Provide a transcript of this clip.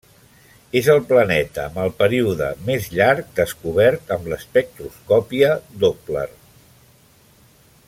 És el planeta amb el període més llarg descobert amb l'espectroscòpia Doppler.